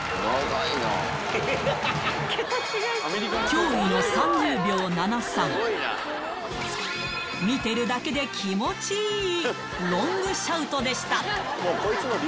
驚異の見てるだけで気持ちいいロングシャウトでした